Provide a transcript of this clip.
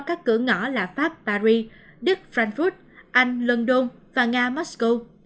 các cửa ngõ là pháp paris đức frankfurt anh london và nga moscow